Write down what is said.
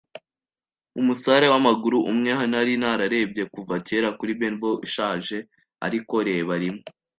umusare w'amaguru umwe nari nararebye kuva kera kuri Benbow ishaje. Ariko reba rimwe